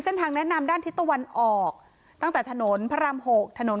เส้นทางแนะนำด้านทิศตะวันออกตั้งแต่ถนนพระราม๖ถนน